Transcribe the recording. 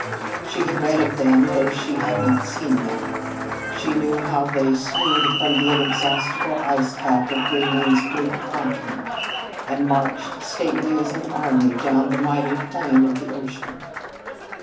She had read of them, though she had not seen them. She knew how they sloughed from the inexhaustible ice cap of Greenland's bleak continent and marched, stately as an army, down the mighty plain of the ocean.